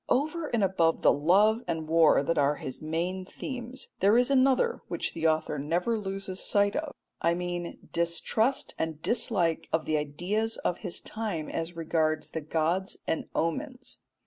Over and above the love and war that are his main themes, there is another which the author never loses sight of I mean distrust and dislike of the ideas of his time as regards the gods and omens.